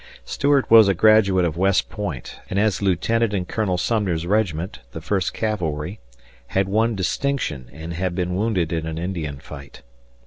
Stuart was a graduate of West Point and as a lieutenant in Colonel Sumner's regiment, the First Cavalry, had won distinction and had been wounded in an Indian fight.